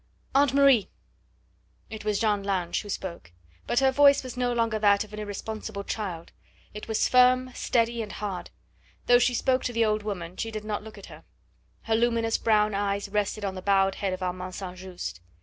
"Aunt Marie!" It was Jeanne Lange who spoke, but her voice was no longer that of an irresponsible child; it was firm, steady and hard. Though she spoke to the old woman, she did not look at her; her luminous brown eyes rested on the bowed head of Armand St. Just.